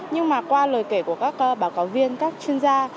nhưng mà qua lời kể của các báo cáo viên các chuyên gia